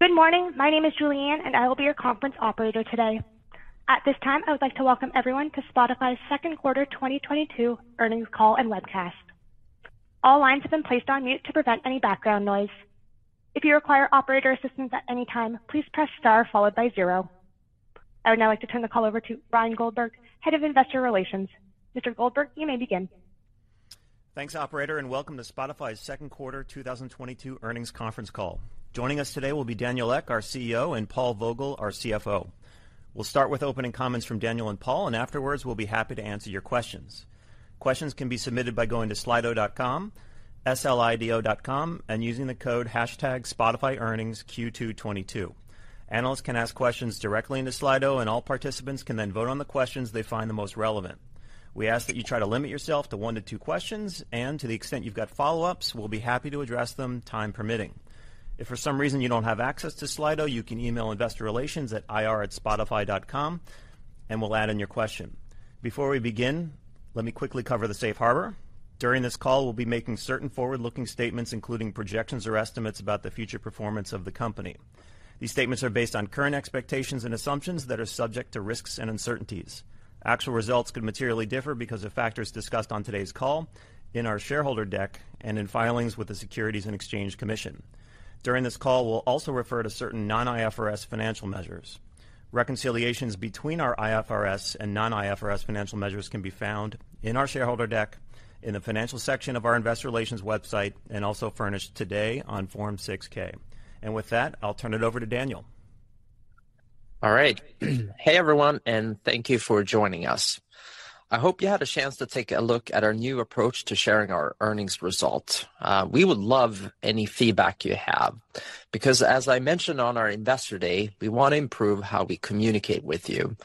Good morning. My name is Julianne, and I will be your conference operator today. At this time, I would like to welcome everyone to Spotify's Q2 2022 earnings call and webcast. All lines have been placed on mute to prevent any background noise. If you require operator assistance at any time, please press star followed by zero. I would now like to turn the call over to Bryan Goldberg, Head of Investor Relations. Mr. Goldberg, you may begin. Thanks, operator, and welcome to Spotify's Q2 2022 earnings conference call. Joining us today will be Daniel Ek, our CEO, and Paul Vogel, our CFO. We'll start with opening comments from Daniel and Paul, and afterwards we'll be happy to answer your questions. Questions can be submitted by going to Slido.com, S-L-I-D-O.com, and using the code hashtag SpotifyEarningsQ222. Analysts can ask questions directly into Slido, and all participants can then vote on the questions they find the most relevant. We ask that you try to limit yourself to one to two questions, and to the extent you've got follow-ups, we'll be happy to address them time permitting. If for some reason you don't have access to Slido, you can email Investor Relations at ir@spotify.com, and we'll add in your question. Before we begin, let me quickly cover the Safe Harbor. During this call, we'll be making certain forward-looking statements, including projections or estimates about the future performance of the company. These statements are based on current expectations and assumptions that are subject to risks and uncertainties. Actual results could materially differ because of factors discussed on today's call, in our shareholder deck, and in filings with the Securities and Exchange Commission. During this call, we'll also refer to certain non-IFRS financial measures. Reconciliations between our IFRS and non-IFRS financial measures can be found in our shareholder deck, in the financial section of our investor relations website, and also furnished today on Form 6-K. With that, I'll turn it over to Daniel. All right. Hey, everyone, and thank you for joining us. I hope you had a chance to take a look at our new approach to sharing our earnings results. We would love any feedback you have, because as I mentioned on our Investor Day, we want to improve how we communicate with you.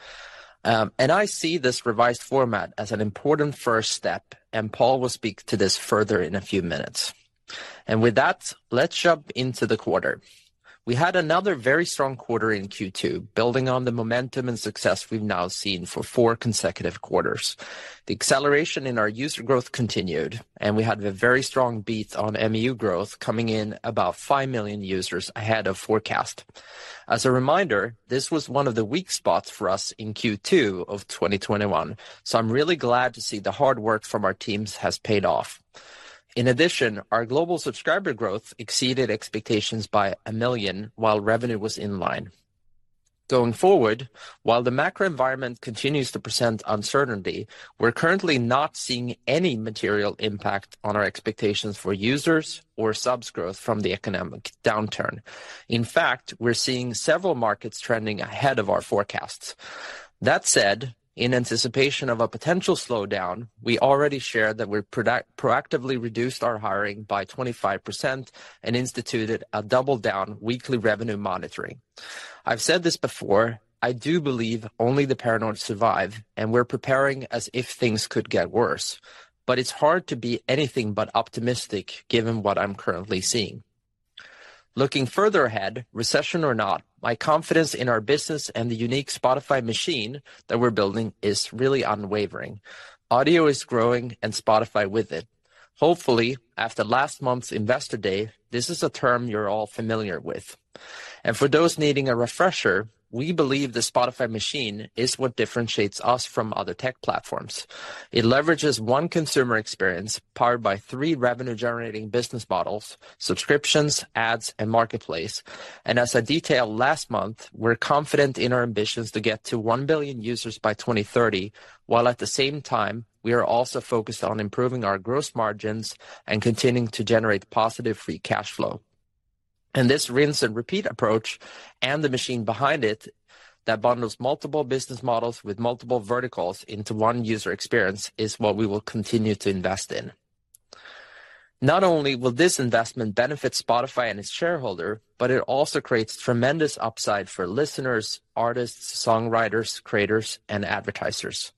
I see this revised format as an important first step, and Paul will speak to this further in a few minutes. With that, let's jump into the quarter. We had another very strong quarter in Q2, building on the momentum and success we've now seen for four consecutive quarters. The acceleration in our user growth continued, and we had a very strong beat on MAU growth, coming in about 5 million users ahead of forecast. As a reminder, this was one of the weak spots for us in Q2 of 2021, so I'm really glad to see the hard work from our teams has paid off. In addition, our global subscriber growth exceeded expectations by 1 million while revenue was in line. Going forward, while the macro environment continues to present uncertainty, we're currently not seeing any material impact on our expectations for users or subs growth from the economic downturn. In fact, we're seeing several markets trending ahead of our forecasts. That said, in anticipation of a potential slowdown, we already shared that we've proactively reduced our hiring by 25% and instituted a double-down weekly revenue monitoring. I've said this before, I do believe only the paranoid survive, and we're preparing as if things could get worse. It's hard to be anything but optimistic given what I'm currently seeing. Looking further ahead, recession or not, my confidence in our business and the unique Spotify machine that we're building is really unwavering. Audio is growing and Spotify with it. Hopefully, after last month's Investor Day, this is a term you're all familiar with. For those needing a refresher, we believe the Spotify machine is what differentiates us from other tech platforms. It leverages one consumer experience, powered by three revenue-generating business models, subscriptions, ads, and marketplace. As I detailed last month, we're confident in our ambitions to get to 1 billion users by 2030, while at the same time, we are also focused on improving our gross margins and continuing to generate positive free cash flow. This rinse and repeat approach and the machine behind it that bundles multiple business models with multiple verticals into one user experience is what we will continue to invest in. Not only will this investment benefit Spotify and its shareholder, but it also creates tremendous upside for listeners, artists, songwriters, creators, and advertisers.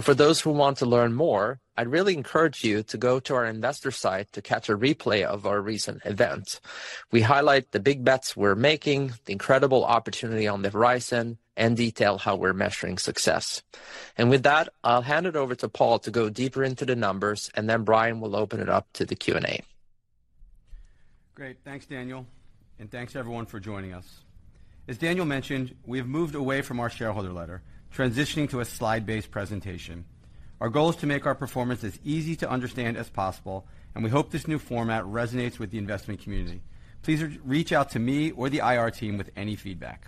For those who want to learn more, I'd really encourage you to go to our investor site to catch a replay of our recent event. We highlight the big bets we're making, the incredible opportunity on the horizon, and detail how we're measuring success. With that, I'll hand it over to Paul to go deeper into the numbers, and then Bryan will open it up to the Q&A. Great. Thanks, Daniel, and thanks everyone for joining us. As Daniel mentioned, we have moved away from our shareholder letter, transitioning to a slide-based presentation. Our goal is to make our performance as easy to understand as possible, and we hope this new format resonates with the investment community. Please reach out to me or the IR team with any feedback.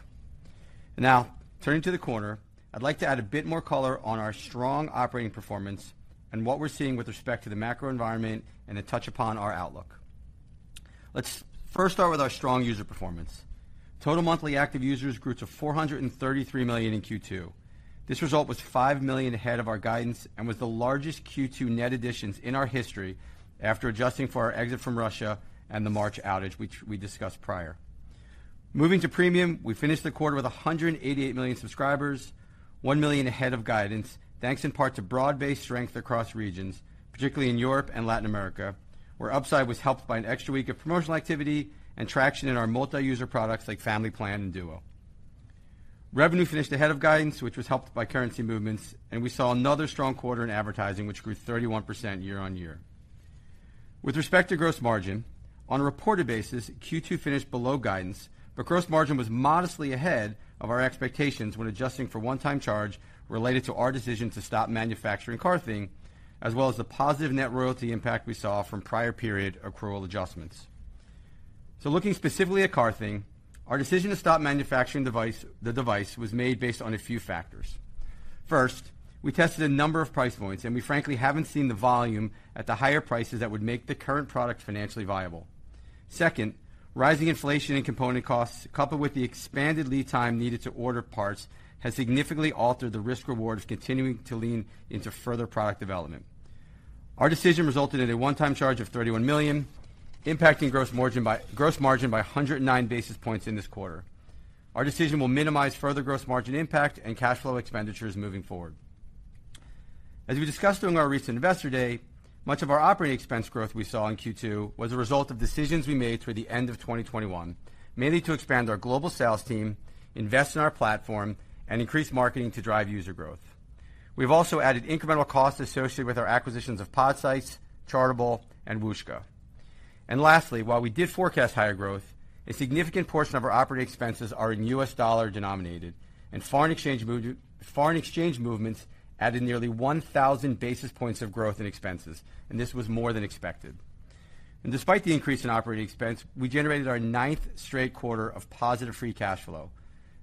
Now, turning to the quarter, I'd like to add a bit more color on our strong operating performance and what we're seeing with respect to the macro environment and then touch upon our outlook. Let's first start with our strong user performance. Total monthly active users grew to 433 million in Q2. This result was 5 million ahead of our guidance and was the largest Q2 net additions in our history after adjusting for our exit from Russia and the March outage, which we discussed prior. Moving to Premium, we finished the quarter with 188 million subscribers, 1 million ahead of guidance. Thanks in part to broad-based strength across regions, particularly in Europe and Latin America, where upside was helped by an extra week of promotional activity and traction in our multi-user products like Premium Family and Premium Duo. Revenue finished ahead of guidance, which was helped by currency movements, and we saw another strong quarter in advertising, which grew 31% year-over-year. With respect to gross margin, on a reported basis, Q2 finished below guidance, but gross margin was modestly ahead of our expectations when adjusting for one-time charge related to our decision to stop manufacturing Car Thing, as well as the positive net royalty impact we saw from prior period accrual adjustments. Looking specifically at Car Thing, our decision to stop manufacturing the device was made based on a few factors. First, we tested a number of price points, and we frankly haven't seen the volume at the higher prices that would make the current product financially viable. Second, rising inflation and component costs, coupled with the expanded lead time needed to order parts, has significantly altered the risk/reward of continuing to lean into further product development. Our decision resulted in a one-time charge of 31 million, impacting gross margin by 109 basis points in this quarter. Our decision will minimize further gross margin impact and cash flow expenditures moving forward. As we discussed during our recent Investor Day, much of our operating expense growth we saw in Q2 was a result of decisions we made toward the end of 2021, mainly to expand our global sales team, invest in our platform, and increase marketing to drive user growth. We've also added incremental costs associated with our acquisitions of Podsights, Chartable, and Whooshkaa. Lastly, while we did forecast higher growth, a significant portion of our operating expenses are in US dollar denominated and foreign exchange movements added nearly 1,000 basis points of growth in expenses, and this was more than expected. Despite the increase in operating expense, we generated our ninth straight quarter of positive free cash flow.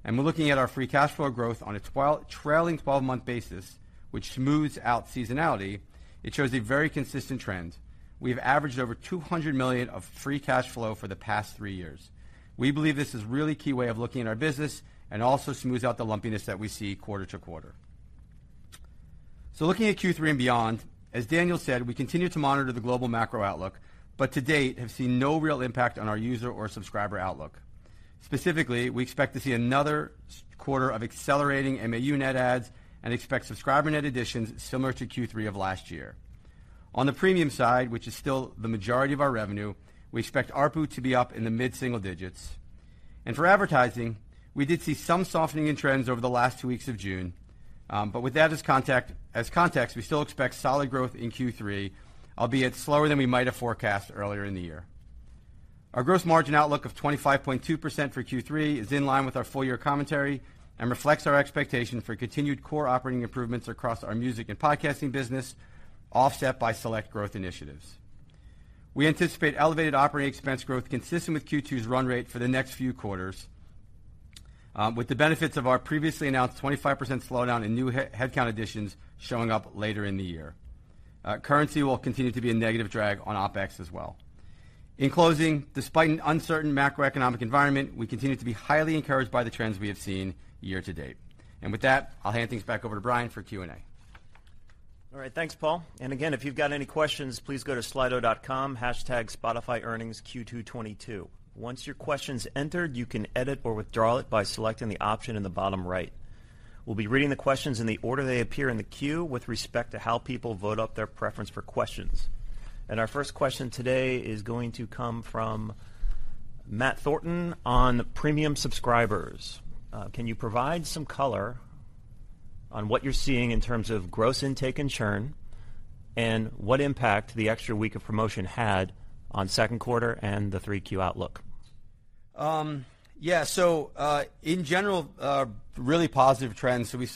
We're looking at our free cash flow growth on a trailing twelve-month basis, which smooths out seasonality. It shows a very consistent trend. We have averaged over 200 million of free cash flow for the past three years. We believe this is really key way of looking at our business and also smooths out the lumpiness that we see quarter-to-quarter. Looking at Q3 and beyond, as Daniel said, we continue to monitor the global macro outlook, but to date have seen no real impact on our user or subscriber outlook. Specifically, we expect to see another quarter of accelerating MAU net adds and expect subscriber net additions similar to Q3 of last year. On the premium side, which is still the majority of our revenue, we expect ARPU to be up in the mid-single digits. For advertising, we did see some softening in trends over the last two weeks of June. With that as context, we still expect solid growth in Q3, albeit slower than we might have forecast earlier in the year. Our gross margin outlook of 25.2% for Q3 is in line with our full year commentary and reflects our expectation for continued core operating improvements across our music and podcasting business, offset by select growth initiatives. We anticipate elevated operating expense growth consistent with Q2's run rate for the next few quarters, with the benefits of our previously announced 25% slowdown in new headcount additions showing up later in the year. Currency will continue to be a negative drag on OpEx as well. In closing, despite an uncertain macroeconomic environment, we continue to be highly encouraged by the trends we have seen year-to-date. With that, I'll hand things back over to Bryan for Q&A. All right. Thanks, Paul. Again, if you've got any questions, please go to Slido.com, hashtag SpotifyEarningsQ222. Once your question's entered, you can edit or withdraw it by selecting the option in the bottom right. We'll be reading the questions in the order they appear in the queue with respect to how people vote up their preference for questions. Our first question today is going to come from Matt Thornton on premium subscribers. Can you provide some color on what you're seeing in terms of gross intake and churn, and what impact the extra week of promotion had on Q2 and the Q3 outlook? Yes. In general, really positive trends. We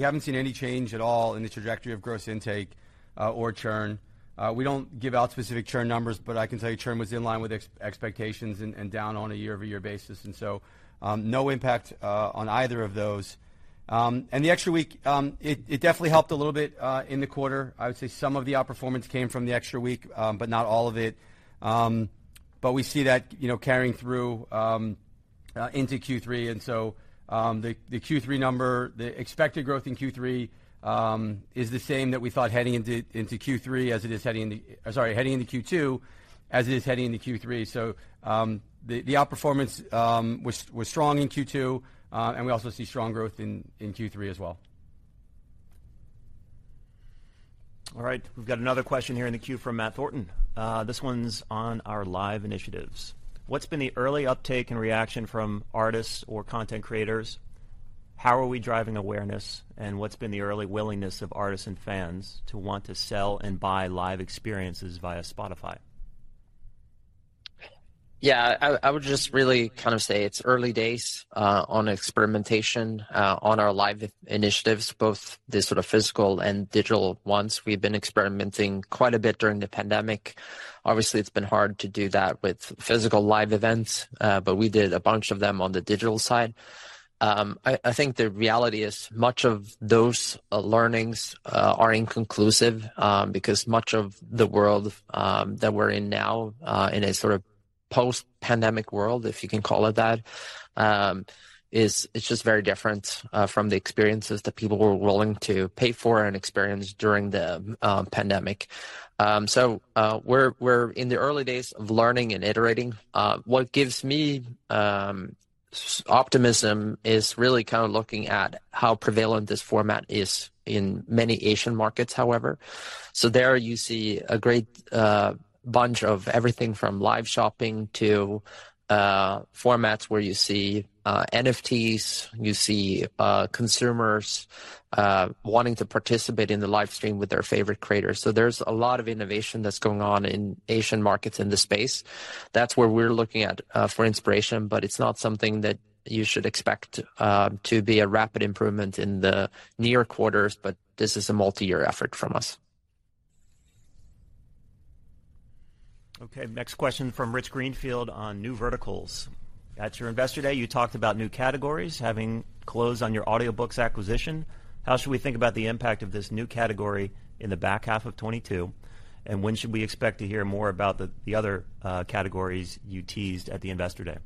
haven't seen any change at all in the trajectory of gross intake, or churn. We don't give out specific churn numbers, but I can tell you churn was in line with expectations and down on a year-over-year basis. No impact on either of those. The extra week, it definitely helped a little bit in the quarter. I would say some of the outperformance came from the extra week, but not all of it. We see that carrying through into Q3. The Q3 number, the expected growth in Q3, is the same that we thought heading into Q3 as it is heading into Q3. Sorry, heading into Q2 as it is heading into Q3. The outperformance was strong in Q2, and we also see strong growth in Q3 as well. All right. We've got another question here in the queue from Matt Thornton. This one's on our live initiatives. What's been the early uptake and reaction from artists or content creators? How are we driving awareness, and what's been the early willingness of artists and fans to want to sell and buy live experiences via Spotify? Yes. I would just really say it's early days on experimentation on our live initiatives, both the physical and digital ones. We've been experimenting quite a bit during the pandemic. Obviously, it's been hard to do that with physical live events, but we did a bunch of them on the digital side. I think the reality is much of those learnings are inconclusive because much of the world that we're in now, in a post-pandemic world, if you can call it that, it's just very different from the experiences that people were willing to pay for and experience during the pandemic. We're in the early days of learning and iterating. What gives me optimism is really looking at how prevalent this format is in many Asian markets, however. There you see a great bunch of everything from live shopping to formats where you see NFTs, you see consumers wanting to participate in the live stream with their favorite creators. There's a lot of innovation that's going on in Asian markets in the space. That's where we're looking to for inspiration, but it's not something that you should expect to be a rapid improvement in the near quarters, but this is a multi-year effort from us. Okay. Next question from Rich Greenfield on new verticals. At your investor day, you talked about new categories, having closed on your audiobooks acquisition. How should we think about the impact of this new category in the back half of 2022? When should we expect to hear more about the other categories you teased at the Investor Day?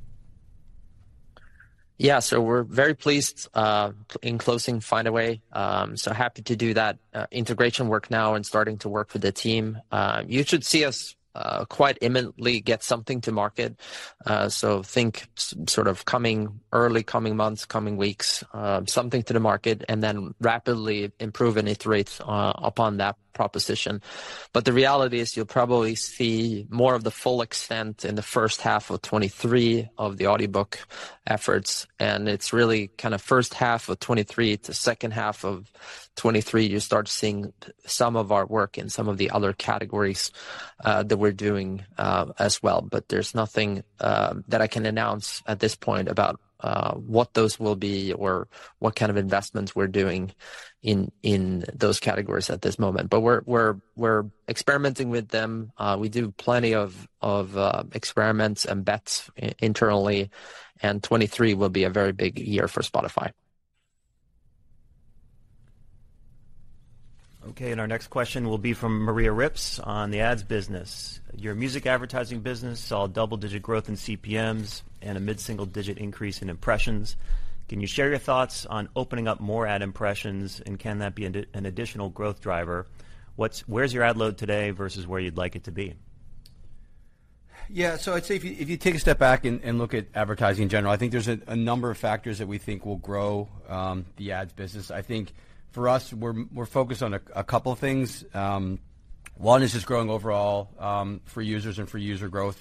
We're very pleased with closing Findaway. Happy to do that integration work now and starting to work with the team. You should see us quite imminently get something to market. Think early coming months, coming weeks, something to the market, and then rapidly improve and iterate upon that proposition. The reality is you'll probably see more of the full extent in the first half of 2023 of the audiobook efforts, and it's really first half of 2023 to second half of 2023. You start seeing some of our work in some of the other categories that we're doing as well. There's nothing that I can announce at this point about what those will be or what kind of investments we're doing in those categories at this moment. We're experimenting with them. We do plenty of experiments and bets internally, and 2023 will be a very big year for Spotify. Okay. Our next question will be from Maria Ripps on the ads business. Your music advertising business saw double-digit growth in CPMs and a mid-single digit increase in impressions. Can you share your thoughts on opening up more ad impressions, and can that be an additional growth driver? Where's your ad load today versus where you'd like it to be? Yes. I'd say if you take a step back and look at advertising in general, I think there's a number of factors that we think will grow the ads business. I think for us, we're focused on a couple things. One is just growing overall free users and free user growth.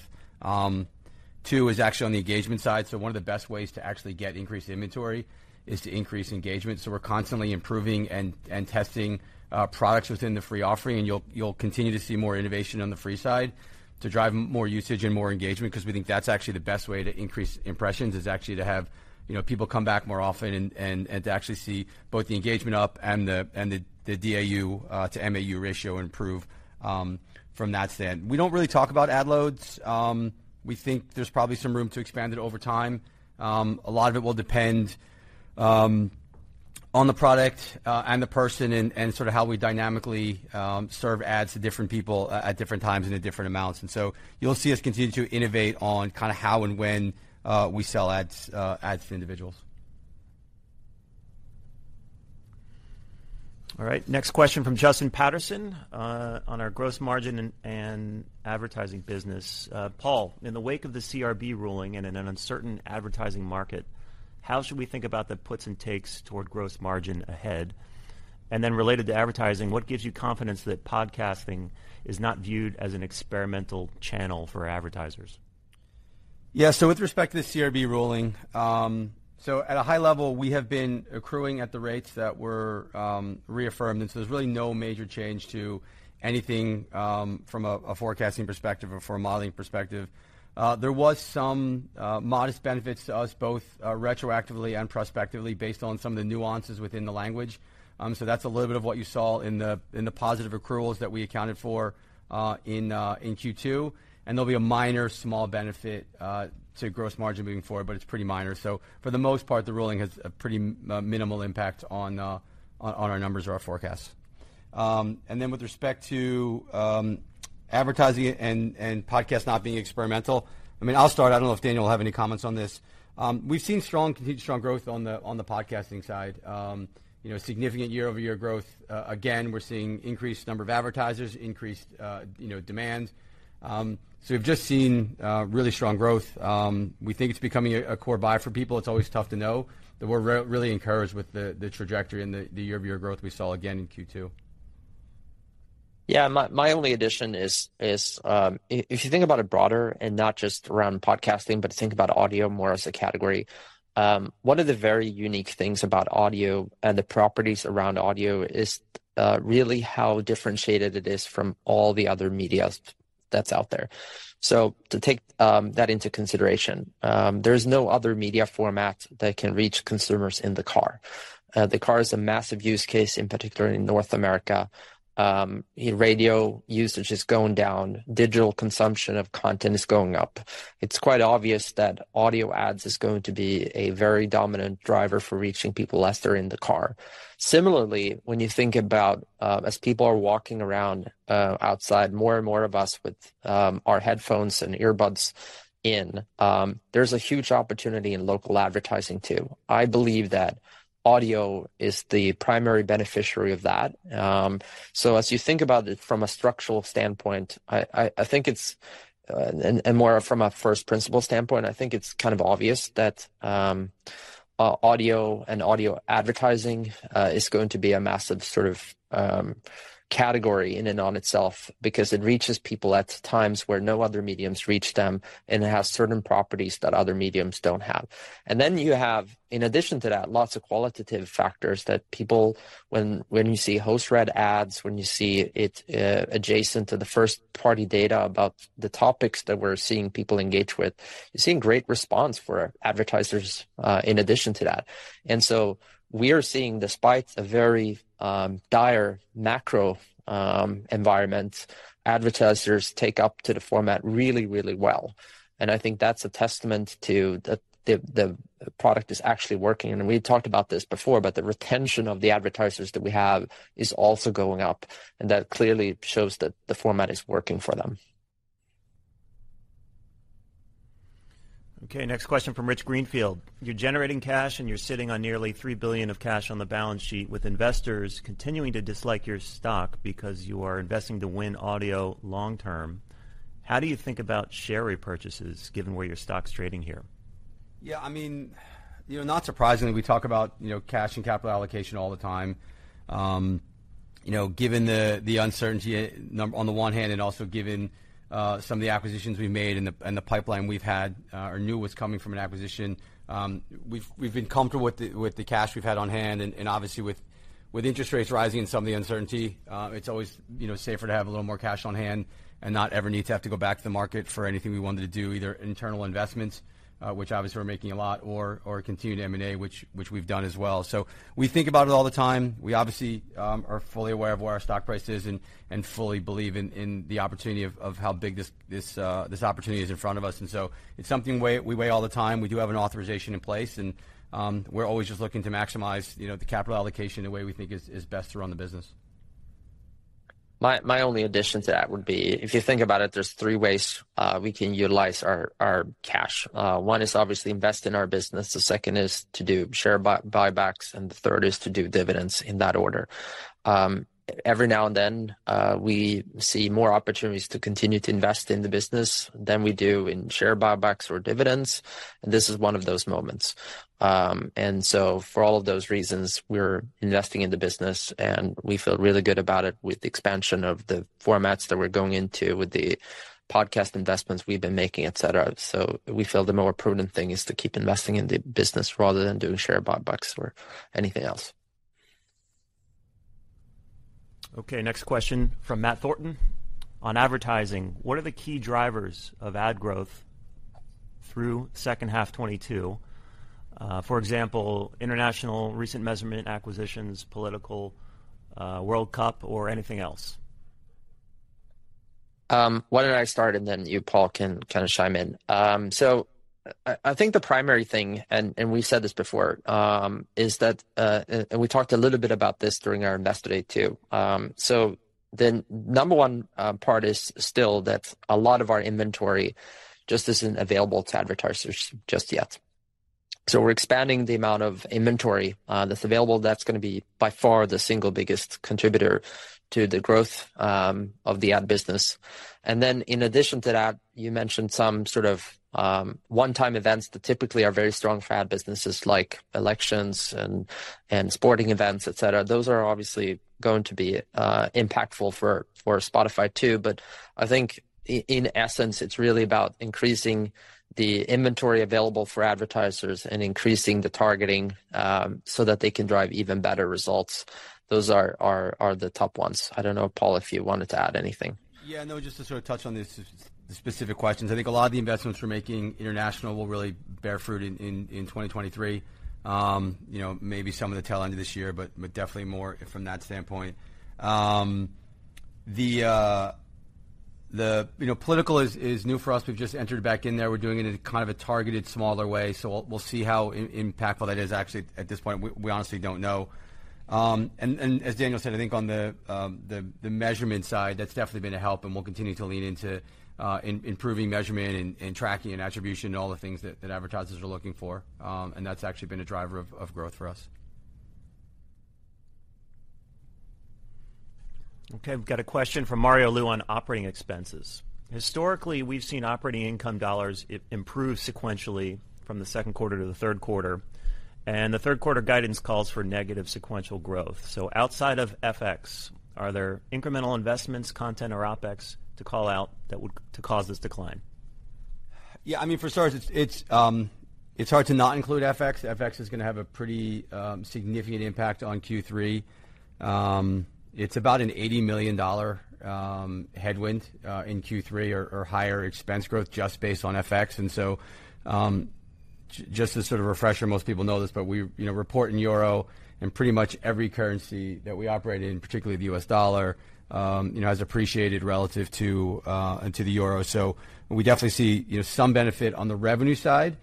Two is actually on the engagement side. One of the best ways to actually get increased inventory is to increase engagement. We're constantly improving and testing products within the free offering, and you'll continue to see more innovation on the free side to drive more usage and more engagement because we think that's actually the best way to increase impressions, is actually to have people come back more often and to actually see both the engagement up and the DAU to MAU ratio improve from that standpoint. We don't really talk about ad loads. We think there's probably some room to expand it over time. A lot of it will depend on the product and the person and how we dynamically serve ads to different people at different times and at different amounts. You'll see us continue to innovate on how and when we sell ads to individuals. All right. Next question from Justin Patterson on our gross margin and advertising business. Paul, in the wake of the CRB ruling and in an uncertain advertising market, how should we think about the puts and takes toward gross margin ahead? Then, related to advertising, what gives you confidence that podcasting is not viewed as an experimental channel for advertisers? Yes. With respect to the CRB ruling, at a high level, we have been accruing at the rates that were reaffirmed. There's really no major change to anything from a forecasting perspective or from a modeling perspective. There was some modest benefits to us both retroactively and prospectively based on some of the nuances within the language. That's a little bit of what you saw in the positive accruals that we accounted for in Q2. There'll be a minor small benefit to gross margin moving forward, but it's pretty minor. For the most part, the ruling has a pretty minimal impact on our numbers or our forecasts. With respect to advertising and podcasts not being experimental, I'll start. I don't know if Daniel will have any comments on this. We've seen strong continued growth on the podcasting side. Significant year-over-year growth. Again, we're seeing increased number of advertisers, increased demand. We've just seen really strong growth. We think it's becoming a core buy for people. It's always tough to know, but we're really encouraged with the trajectory and the year-over-year growth we saw again in Q2. Yes. My only addition is, if you think about it broader and not just around podcasting, but think about audio more as a category, one of the very unique things about audio and the properties around audio is really how differentiated it is from all the other media that's out there. To take that into consideration, there's no other media format that can reach consumers in the car. The car is a massive use case, in particular in North America. Radio usage is going down, digital consumption of content is going up. It's quite obvious that audio ads is going to be a very dominant driver for reaching people as they're in the car. Similarly, when you think about, as people are walking around outside, more and more of us with our headphones and earbuds, there's a huge opportunity in local advertising too. I believe that audio is the primary beneficiary of that. As you think about it from a structural standpoint, and more from a first principles standpoint, I think it's obvious that audio and audio advertising is going to be a massive category in and of itself because it reaches people at times where no other media reach them, and it has certain properties that other media don't have. You have, in addition to that, lots of qualitative factors when you see host-read ads, when you see it adjacent to the first-party data about the topics that we're seeing people engage with. You're seeing great response for advertisers in addition to that. We are seeing, despite a very dire macro environment, advertisers uptake of the format really, really well. I think that's a testament to the product actually working. We had talked about this before, but the retention of the advertisers that we have is also going up, and that clearly shows that the format is working for them. Okay. Next question from Rich Greenfield. You're generating cash and you're sitting on nearly 3 billion of cash on the balance sheet with investors continuing to dislike your stock because you are investing to win audio long-term. How do you think about share repurchases given where your stock's trading here? Yes. Not surprisingly, we talk about cash and capital allocation all the time. Given the uncertainty on the one hand and also given some of the acquisitions we made and the pipeline we've had or knew was coming from an acquisition, we've been comfortable with the cash we've had on hand. Obviously, with interest rates rising and some of the uncertainty, it's always safer to have a little more cash on hand and not ever need to go back to the market for anything we wanted to do either internal investments, which obviously we're making a lot, or continue to M&A which we've done as well. We think about it all the time. We obviously are fully aware of where our stock price is and fully believe in the opportunity of how big this opportunity is in front of us. It's something we weigh all the time. We do have an authorization in place, and we're always just looking to maximize the capital allocation the way we think is best to run the business. My only addition to that would be, if you think about it, there's three ways we can utilize our cash. One is obviously invest in our business, the second is to do share buybacks, and the third is to do dividends in that order. Every now and then, we see more opportunities to continue to invest in the business than we do in share buybacks or dividends, and this is one of those moments. For all of those reasons, we're investing in the business, and we feel really good about it with the expansion of the formats that we're going into with the podcast investments we've been making, etc. We feel the more prudent thing is to keep investing in the business rather than doing share buybacks or anything else. Okay. Next question from Matt Thornton. On advertising, what are the key drivers of ad growth through second half 2022? For example, international, recent measurement acquisitions, political, World Cup, or anything else? Why don't I start and then you, Paul, can chime in. I think the primary thing, and we've said this before, is that, and we talked a little bit about this during our Investor Day too. The number one part is still that a lot of our inventory just isn't available to advertisers just yet. We're expanding the amount of inventory that's available. That's going to be by far the single biggest contributor to the growth of the ad business. In addition to that, you mentioned some one-time events that typically are very strong for ad businesses like elections and sporting events, etc. Those are obviously going to be impactful for Spotify too, but I think in essence, it's really about increasing the inventory available for advertisers and increasing the targeting so that they can drive even better results. Those are the top ones. I don't know, Paul, if you wanted to add anything. Yes. Just to touch on the specific questions. I think a lot of the investments we're making international will really bear fruit in 2023. Maybe some of the tail end of this year, but definitely more from that standpoint. The political is new for us. We've just entered back in there. We're doing it in a targeted, smaller way, so we'll see how impactful that is. Actually, at this point, we honestly don't know. And as Daniel said, I think on the measurement side, that's definitely been a help, and we'll continue to lean into improving measurement and tracking and attribution and all the things that advertisers are looking for. That's actually been a driver of growth for us. Okay, we've got a question from Mario Lu on operating expenses. Historically, we've seen operating income dollars improve sequentially from Q2 to Q3 and Q3 guidance calls for negative sequential growth. Outside of FX, are there incremental investments, content or OpEx to call out that would cause this decline? Yes. For starters, it's hard to not include FX. FX is going to have a pretty significant impact on Q3. It's about an $80 million headwind in Q3 or higher expense growth just based on FX. Just as a refresher, most people know this, but we report in euro, and pretty much every currency that we operate in, particularly the U.S. dollar has appreciated relative to the euro. We definitely see some benefit on the revenue side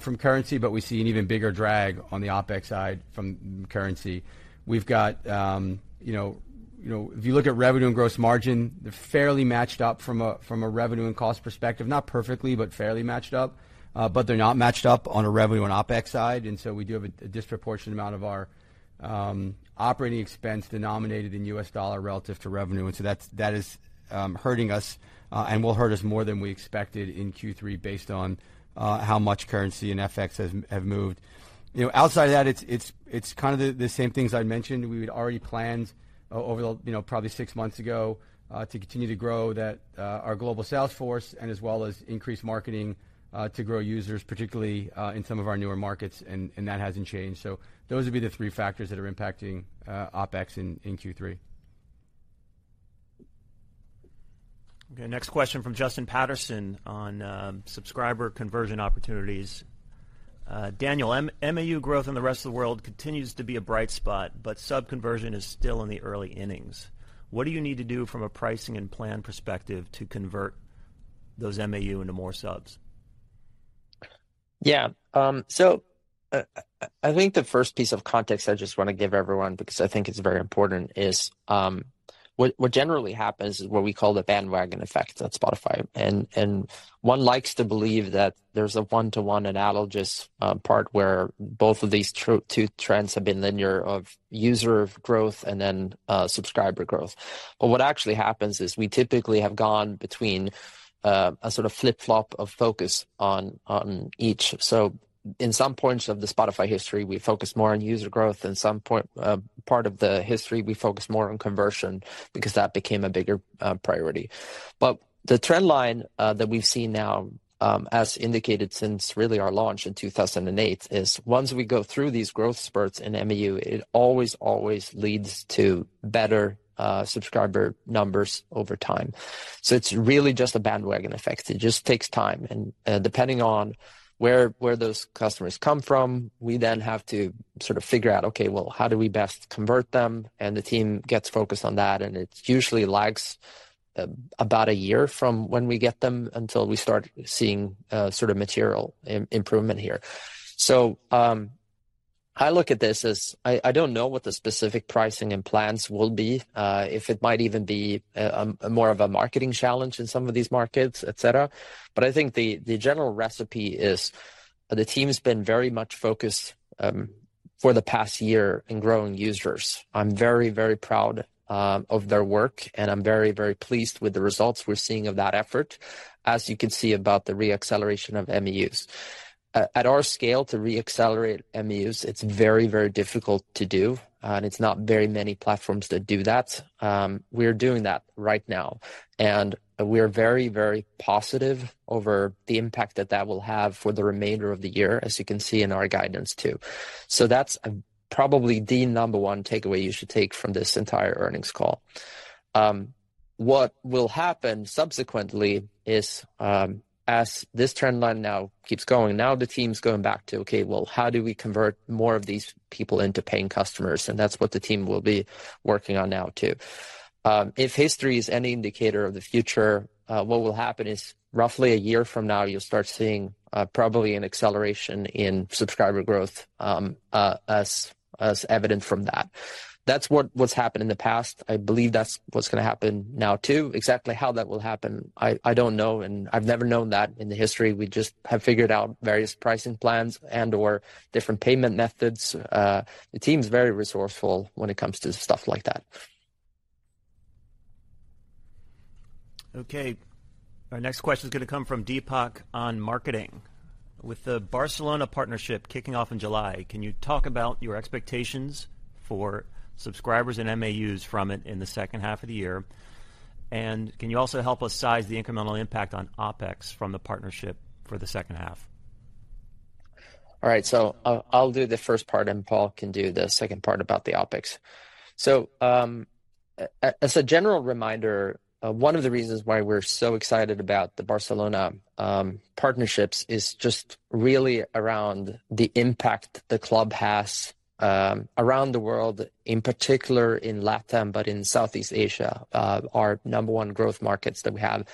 from currency, but we see an even bigger drag on the OpEx side from currency. We've got, if you look at revenue and gross margin, they're fairly matched up from a revenue and cost perspective. Not perfectly, but fairly matched up. They're not matched up on a revenue and OpEx side, and so we do have a disproportionate amount of our operating expense denominated in US dollar relative to revenue, and that is hurting us and will hurt us more than we expected in Q3 based on how much currency and FX has moved. Outside of that, it's the same things I'd mentioned. We had already planned over probably six months ago to continue to grow that our global sales force and as well as increase marketing to grow users, particularly in some of our newer markets and that hasn't changed. Those would be the three factors that are impacting OpEx in Q3. Okay, next question from Justin Patterson on subscriber conversion opportunities. Daniel, MAU growth in the rest of the world continues to be a bright spot, but sub conversion is still in the early innings. What do you need to do from a pricing and plan perspective to convert those MAU into more subs? I think the first piece of context I just want to give everyone, because I think it's very important, is what generally happens is what we call the bandwagon effect at Spotify. One likes to believe that there's a one-to-one analogous part where both of these two trends have been linear of user growth and then subscriber growth. What actually happens is we typically have gone between a flip-flop of focus on each. In some points of the Spotify history, we focus more on user growth. In some part of the history, we focus more on conversion because that became a bigger priority. The trend line that we've seen now, as indicated since really our launch in 2008, is once we go through these growth spurts in MAU, it always leads to better subscriber numbers over time. It's really just a bandwagon effect. It just takes time. Depending on where those customers come from, we then have to figure out, okay, well, how do we best convert them? The team gets focused on that, and it usually lags about a year from when we get them until we start seeing material improvement here. I look at this as I don't know what the specific pricing and plans will be, if it might even be a more of a marketing challenge in some of these markets, etc. I think the general recipe is the team's been very much focused for the past year in growing users. I'm very, very proud of their work, and I'm very, very pleased with the results we're seeing of that effort, as you can see about the re-acceleration of MAUs. At our scale, to re-accelerate MAUs, it's very, very difficult to do, and it's not very many platforms that do that. We're doing that right now, and we're very, very positive over the impact that that will have for the remainder of the year, as you can see in our guidance too. That's probably the number one takeaway you should take from this entire earnings call. What will happen subsequently is, as this trend line now keeps going, now the team's going back to, "Okay, well, how do we convert more of these people into paying customers?" That's what the team will be working on now too. If history is any indicator of the future, what will happen is roughly a year from now, you'll start seeing probably an acceleration in subscriber growth, as evident from that. That's what happened in the past. I believe that's what's going to happen now too. Exactly how that will happen, I don't know and I've never known that in the history. We just have figured out various pricing plans and/or different payment methods. The team's very resourceful when it comes to stuff like that. Okay. Our next question is going to come from Deepak on marketing. With the Barcelona partnership kicking off in July, can you talk about your expectations for subscribers and MAUs from it in the second half of the year? Can you also help us size the incremental impact on OpEx from the partnership for the second half? All right, I'll do the first part, and Paul can do the second part about the OpEx. As a general reminder, one of the reasons why we're so excited about the Barcelona partnerships is just really around the impact the club has around the world, in particular in LatAm, but in Southeast Asia, our number one growth markets that we have.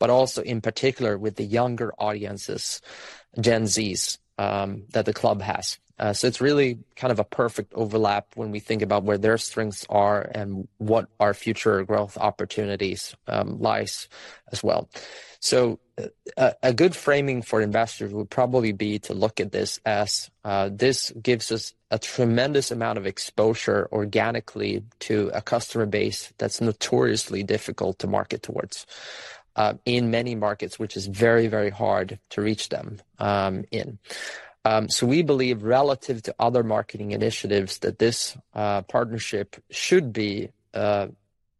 It also in particular with the younger audiences, Gen Z that the club has. It's really a perfect overlap when we think about where their strengths are and what our future growth opportunities lies as well. A good framing for investors would probably be to look at this as this gives us a tremendous amount of exposure organically to a customer base that's notoriously difficult to market towards in many markets, which is very, very hard to reach them in. We believe, relative to other marketing initiatives, that this partnership should be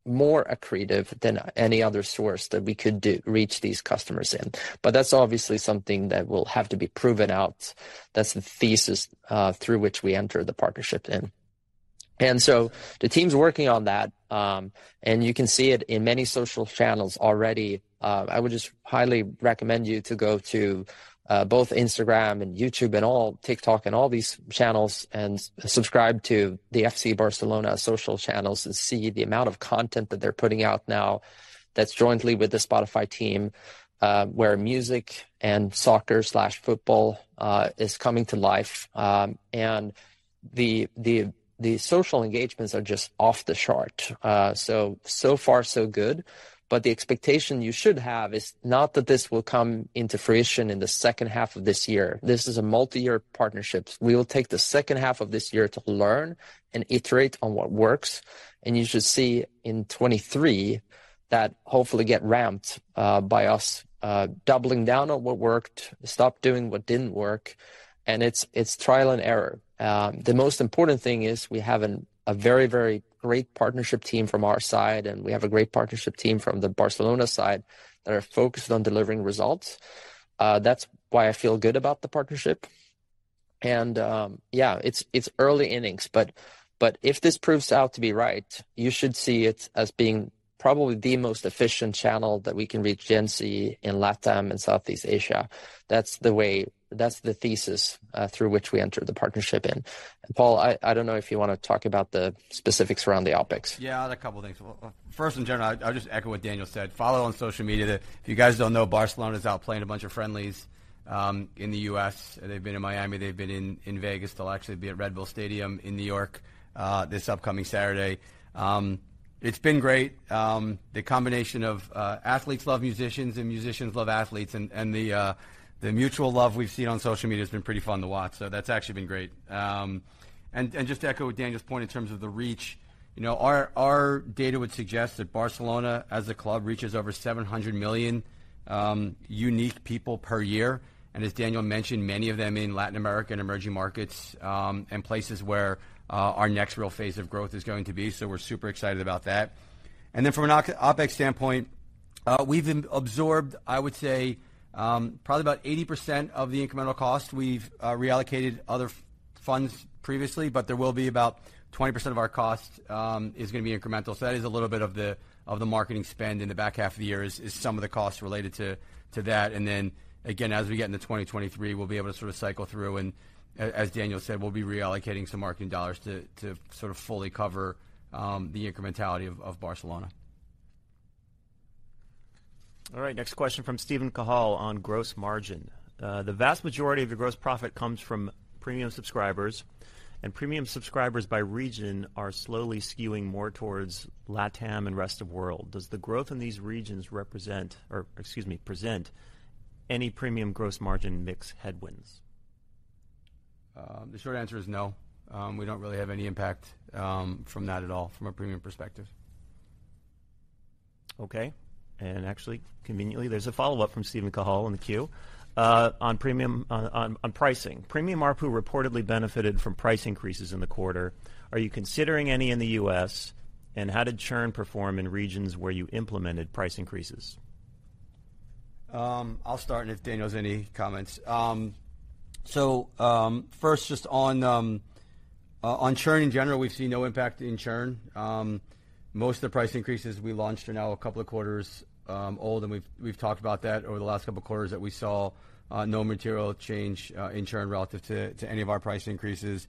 more accretive than any other source that we could do to reach these customers in. That's obviously something that will have to be proven out. That's the thesis through which we enter the partnership in. The team's working on that, and you can see it in many social channels already. I would just highly recommend you to go to both Instagram and YouTube and all TikTok and all these channels and subscribe to the FC Barcelona social channels and see the amount of content that they're putting out now that's jointly with the Spotify team, where music and soccer/football is coming to life. The social engagements are just off the chart. So far so good. The expectation you should have is not that this will come into fruition in the second half of this year. This is a multi-year partnership. We will take the second half of this year to learn and iterate on what works. You should see in 2023 that hopefully get ramped by us doubling down on what worked, stop doing what didn't work, and it's trial and error. The most important thing is we have a very, very great partnership team from our side, and we have a great partnership team from the Barcelona side that are focused on delivering results. That's why I feel good about the partnership. It's early innings, but if this proves out to be right, you should see it as being probably the most efficient channel that we can reach Gen Z in LATAM and Southeast Asia. That's the thesis through which we entered the partnership in. Paul, I don't know if you want to talk about the specifics around the OpEx. Yes, there are a couple of things. Well, first, in general, I'll just echo what Daniel said. Follow on social media. If you guys don't know, Barcelona is out playing a bunch of friendlies in the US. They've been in Miami, they've been in Vegas. They'll actually be at Red Bull Stadium in New York this upcoming Saturday. It's been great. The combination of athletes love musicians and musicians love athletes and the mutual love we've seen on social media has been pretty fun to watch. That's actually been great. Just to echo what Daniel's point in terms of the reach, our data would suggest that Barcelona as a club reaches over 700 million unique people per year. As Daniel mentioned, many of them in Latin America and emerging markets, and places where our next real phase of growth is going to be. We're super excited about that. Then from an OpEx standpoint, we've absorbed, I would say, probably about 80% of the incremental cost. We've reallocated other funds previously, but there will be about 20% of our cost is going to be incremental. That is a little bit of the marketing spend in the back half of the year is some of the costs related to that. Then again, as we get into 2023, we'll be able to cycle through, and as Daniel said, we'll be reallocating some marketing dollars to fully cover the incrementality of Barcelona. All right, next question from Steven Cahall on gross margin. The vast majority of your gross profit comes from premium subscribers, and premium subscribers by region are slowly skewing more towards LATAM and rest of world. Does the growth in these regions present any premium gross margin mix headwinds? The short answer is no. We don't really have any impact from that at all from a premium perspective. Okay. Actually, conveniently, there's a follow-up from Steven Cahall in the queue, on premium pricing. Premium ARPU reportedly benefited from price increases in the quarter. Are you considering any in the U.S., and how did churn perform in regions where you implemented price increases? I'll start, and if Daniel has any comments. First, just on churn in general, we see no impact to churn. Most of the price increases we launched are now a couple of quarters old, and we've talked about that over the last couple of quarters that we saw no material change in churn relative to any of our price increases.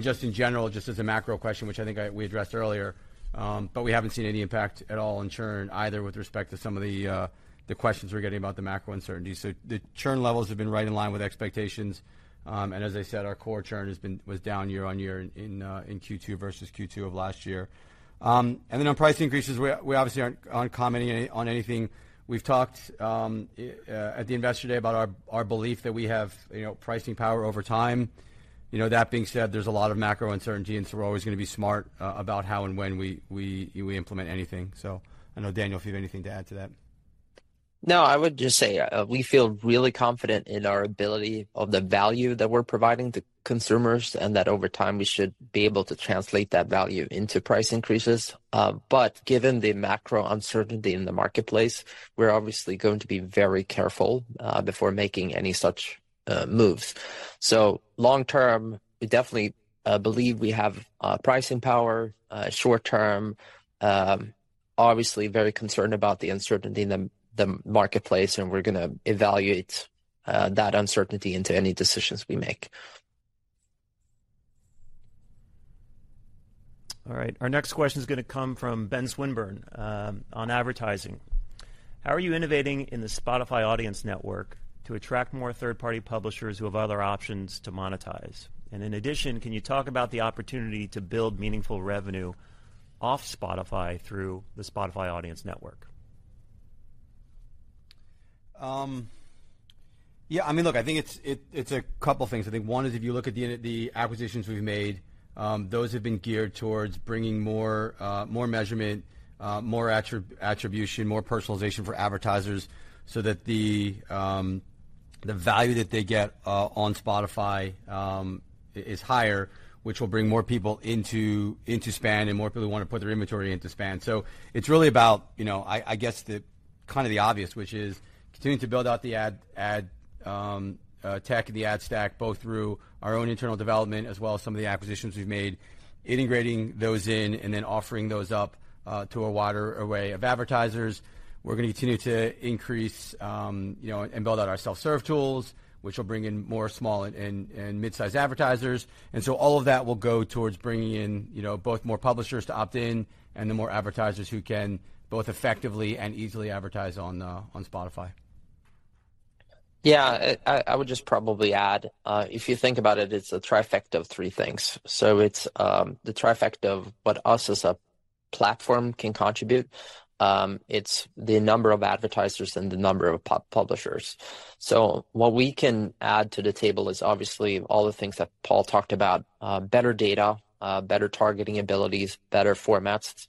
Just in general, just as a macro question, which I think we addressed earlier, but we haven't seen any impact at all on churn, either with respect to some of the questions we're getting about the macro uncertainty. The churn levels have been right in line with expectations. As I said, our core churn was down year-on-year in Q2 versus Q2 of last year. On price increases, we obviously aren't commenting on anything. We've talked at the investor day about our belief that we have pricing power over time. That being said, there's a lot of macro uncertainty, and so we're always going to be smart about how and when we implement anything. I don't know Daniel if you have anything to add to that. No, I would just say, we feel really confident in our ability of the value that we're providing to consumers, and that over time, we should be able to translate that value into price increases. Given the macro uncertainty in the marketplace, we're obviously going to be very careful before making any such moves. Long-term, we definitely believe we have pricing power. Short-term, obviously very concerned about the uncertainty in the marketplace, and we're going to evaluate that uncertainty into any decisions we make. All right. Our next question is going to come from Ben Swinburne on advertising. How are you innovating in the Spotify Audience Network to attract more third-party publishers who have other options to monetize? In addition, can you talk about the opportunity to build meaningful revenue off Spotify through the Spotify Audience Network? Yes. Look, I think it's a couple of things. I think one is if you look at the acquisitions we've made, those have been geared towards bringing more measurement, more attribution, more personalization for advertisers so that the value that they get on Spotify is higher, which will bring more people into SPAN and more people want to put their inventory into SPAN. It's really about theobvious, which is continuing to build out the ad tech, the ad stack, both through our own internal development as well as some of the acquisitions we've made, integrating those in and then offering those up to a wider array of advertisers. We're going to continue to increase, and build out our self-serve tools, which will bring in more small and mid-size advertisers. All of that will go towards bringing in both more publishers to opt in and the more advertisers who can both effectively and easily advertise on Spotify. Yes. I would just probably add, if you think about it's a trifecta of three things. It's the trifecta of what we as a platform can contribute. It's the number of advertisers and the number of publishers. What we can add to the table is obviously all the things that Paul talked about, better data, better targeting abilities, better formats.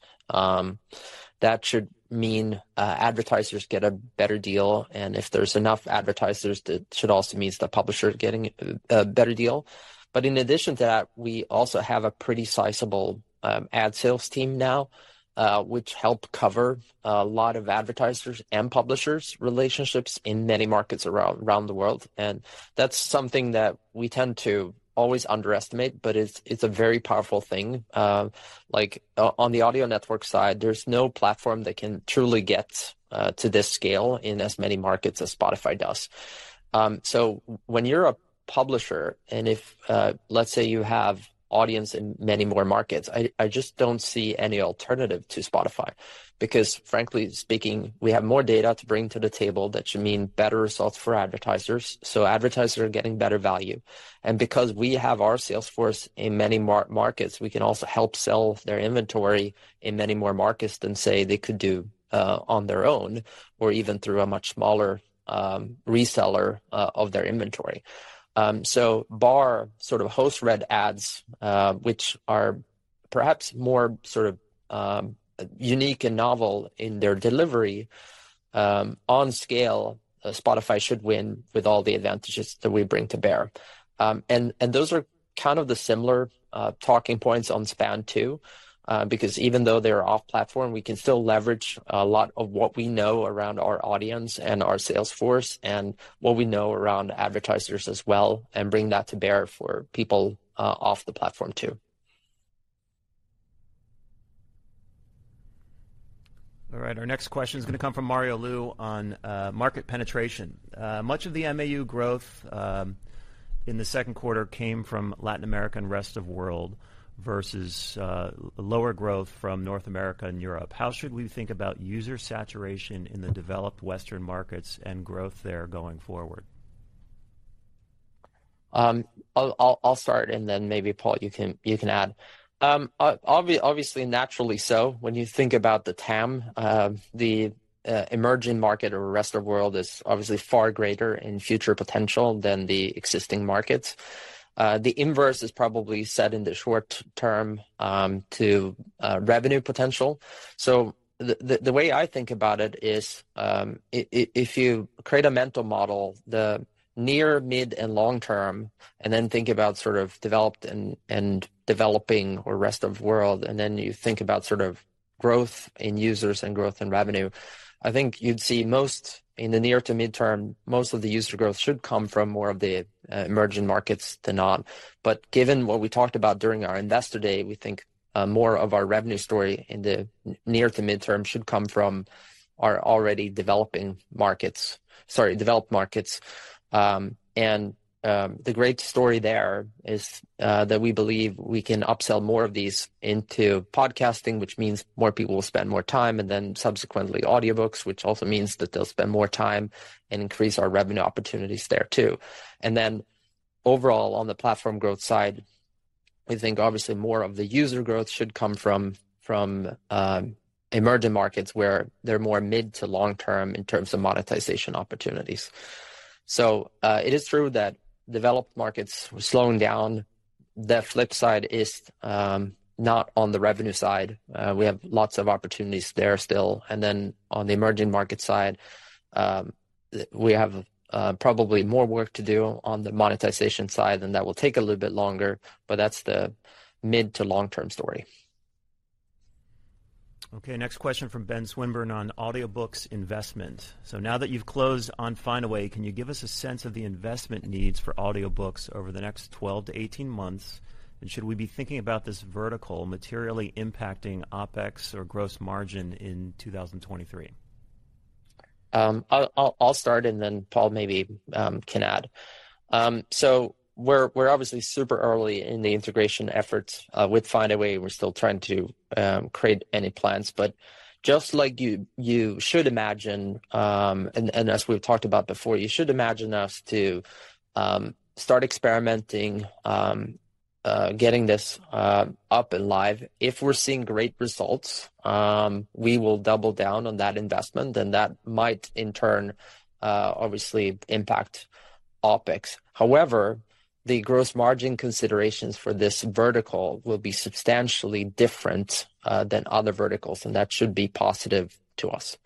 That should mean advertisers get a better deal, and if there's enough advertisers, that should also means the publisher getting a better deal. In addition to that, we also have a pretty sizable ad sales team now, which help cover a lot of advertisers and publishers relationships in many markets around the world. That's something that we tend to always underestimate, but it's a very powerful thing. On the audio network side, there's no platform that can truly get to this scale in as many markets as Spotify does. When you're a publisher, and let's say you have audience in many more markets, I just don't see any alternative to Spotify because frankly speaking, we have more data to bring to the table that should mean better results for advertisers, so advertisers are getting better value and because we have our sales force in many markets, we can also help sell their inventory in many more markets than say they could do on their own or even through a much smaller reseller of their inventory. Our host-read ads, which are perhaps more unique and novel in their delivery, at scale, Spotify should win with all the advantages that we bring to bear. Those are the similar talking points on SPAN too because even though they're off-platform, we can still leverage a lot of what we know around our audience and our sales force and what we know around advertisers as well, and bring that to bear for people off the platform too. All right. Our next question is going to come from Mario Lu on market penetration. Much of the MAU growth in Q2 came from Latin America and rest of world versus lower growth from North America and Europe. How should we think about user saturation in the developed Western markets and growth there going forward? I'll start and then maybe Paul, you can add. Obviously, naturally so when you think about the TAM, the emerging market or rest of world is obviously far greater in future potential than the existing markets. The inverse is probably true in the short term to revenue potential. The way I think about it is, if you create a mental model, the near, mid, and long term, and then think about developed and developing or rest of world, and then you think about growth in users and growth in revenue, I think you'd see most in the near to midterm, most of the user growth should come from more of the emerging markets to not. Given what we talked about during our investor day, we think more of our revenue story in the near to mid-term should come from our already developed markets. The great story there is that we believe we can upsell more of these into podcasting, which means more people will spend more time and then subsequently audiobooks, which also means that they'll spend more time and increase our revenue opportunities there too. Overall, on the platform growth side, we think obviously more of the user growth should come from emerging markets where they're more mid to long-term in terms of monetization opportunities. It is true that developed markets were slowing down. The flip side is not on the revenue side. We have lots of opportunities there still. On the emerging market side, we have probably more work to do on the monetization side, and that will take a little bit longer, but that's the mid to long-term story. Okay. Next question from Ben Swinburne on audiobooks investment. Now that you've closed on Findaway, can you give us a sense of the investment needs for audiobooks over the next 12-18 months? Should we be thinking about this vertical materially impacting OpEx or gross margin in 2023? I'll start and then Paul maybe can add. We're obviously super early in the integration efforts with Findaway. We're still trying to create any plans. Just like you should imagine and as we've talked about before, you should imagine us to start experimenting getting this up and live. If we're seeing great results, we will double down on that investment and that might in turn obviously impact OpEx. However, the gross margin considerations for this vertical will be substantially different than other verticals, and that should be positive to us.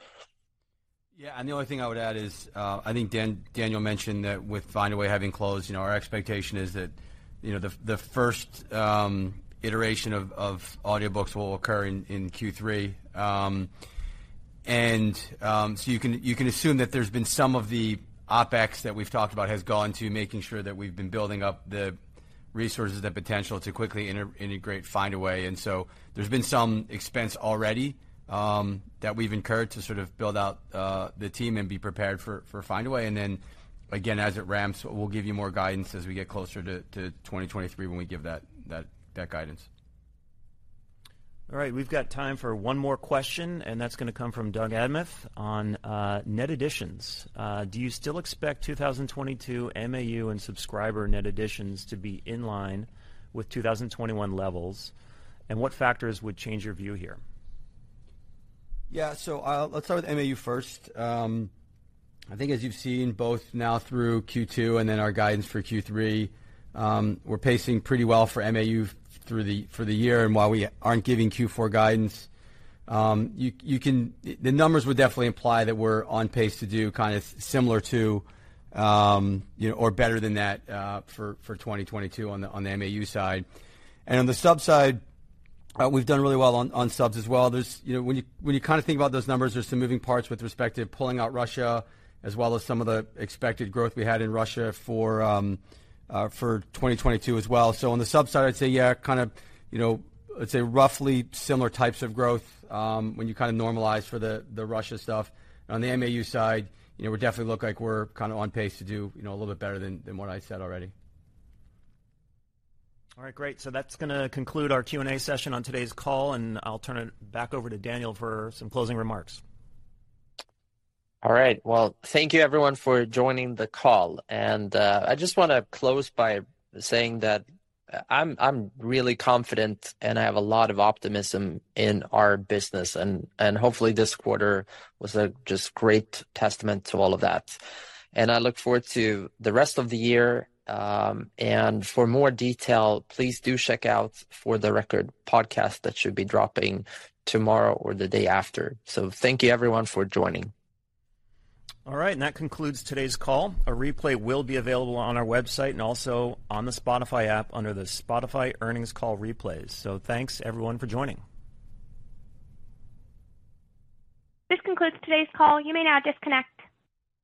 The only thing I would add is, I think Daniel mentioned that with Findaway having closed our expectation is that the first iteration of audiobooks will occur in Q3. You can assume that there's been some of the OpEx that we've talked about has gone to making sure that we've been building up the resources, the potential to quickly integrate Findaway. There's been some expense already that we've incurred to build out the team and be prepared for Findaway. Then again, as it ramps, we'll give you more guidance as we get closer to 2023 when we give that guidance. All right. We've got time for one more question, and that's going to come from Doug Anmuth on net additions. Do you still expect 2022 MAU and subscriber net additions to be in line with 2021 levels? What factors would change your view here? Yes. Let's start with MAU first. I think as you've seen both now through Q2 and then our guidance for Q3, we're pacing pretty well for MAU through the year. While we aren't giving Q4 guidance, the numbers would definitely imply that we're on pace to do similar to or better than that for 2022 on the MAU side. On the subs side, we've done really well on subs as well. When you think about those numbers, there's some moving parts with respect to pulling out Russia as well as some of the expected growth we had in Russia for 2022 as well. On the subs side, I'd say roughly similar types of growth, when you normalize for the Russia stuff. On the MAU side, we definitely look like we're on pace to do a little bit better than what I said already. All right. Great. That's going to conclude our Q&A session on today's call, and I'll turn it back over to Daniel for some closing remarks. All right. Well, thank you everyone for joining the call. I just want to close by saying that I'm really confident and I have a lot of optimism in our business and hopefully this quarter was a just great testament to all of that. I look forward to the rest of the year. For more detail, please do check out For the Record podcast. That should be dropping tomorrow or the day after. Thank you everyone for joining. All right. That concludes today's call. A replay will be available on our website and also on the Spotify app under the Spotify earnings call replays. Thanks everyone for joining. This concludes today's call. You may now disconnect.